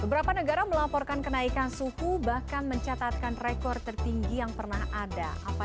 beberapa negara melaporkan kenaikan suhu bahkan mencatatkan rekor tertinggi yang pernah ada